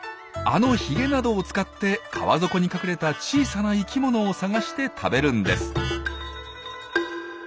あのヒゲなどを使って川底に隠れた小さな生きものを探して食べるんです。